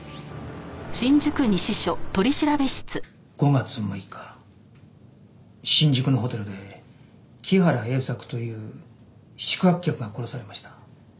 ５月６日新宿のホテルで木原栄作という宿泊客が殺されました。